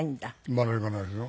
まだいかないですよ。